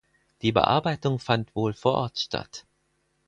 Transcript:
Die Bearbeitung fand wohl vor Ort statt.